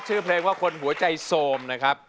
ชื่อเพลงว่าคนหัวใจโทรมนะครับ